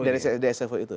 dari sfo itu